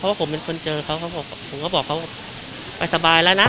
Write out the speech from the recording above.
เพราะว่าผมเป็นคนเจอเขาผมก็บอกเขาไปสบายแล้วนะ